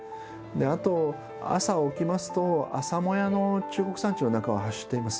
あと朝起きますと朝もやの中国山地の中を走っています。